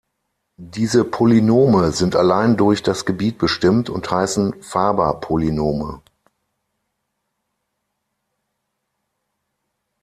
Diese Polynome sind allein durch das Gebiet bestimmt und heißen Faber-Polynome.